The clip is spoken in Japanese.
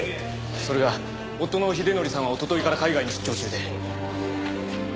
それが夫の秀典さんはおとといから海外に出張中で。